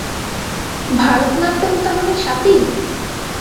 ভারতনাট্যম তাহলে স্বাতী?